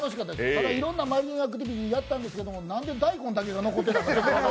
ただいろんなマリンアクティビティーやったんですけどなんで大根だけが残ってたのか。